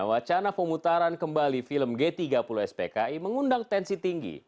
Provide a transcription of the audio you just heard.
wacana pemutaran kembali film g tiga puluh spki mengundang tensi tinggi